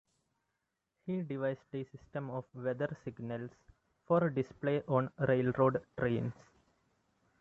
He devised a system of weather signals for display on railroad trains.